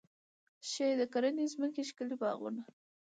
ښې د کرنې ځمکې، ښکلي باغونه